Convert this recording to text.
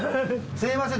すみません。